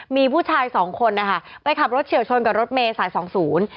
มีผู้ชายสองคนนะคะไปขับรถเฉียวชนกับรถเมย์สายสองศูนย์